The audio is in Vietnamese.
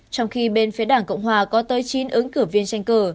trong khi bên phía đảng cộng hòa có tới chín ứng cử viên tranh cử